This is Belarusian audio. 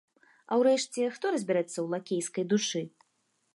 А ўрэшце, хто разбярэцца ў лакейскай душы?